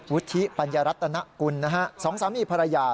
วุฒิปัญญารัตนกุลสองสามีภรรยา